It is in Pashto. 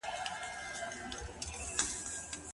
نیک نامي پریږدئ چې خلک مو یاد کړي.